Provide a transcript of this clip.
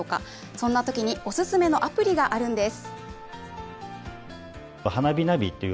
そんなときにオススメのアプリがあるんです。